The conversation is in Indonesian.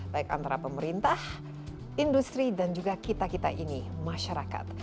baik antara pemerintah industri dan juga kita kita ini masyarakat